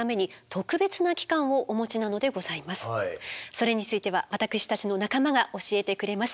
それについては私たちの仲間が教えてくれます。